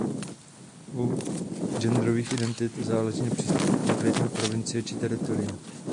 U genderových identit záleží na přístupu konkrétní provincie či teritoria.